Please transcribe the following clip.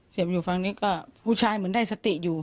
อยู่ฝั่งนี้ก็ผู้ชายเหมือนได้สติอยู่